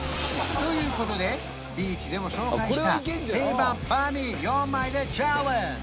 ということでビーチでも紹介した定番バミー４枚でチャレンジ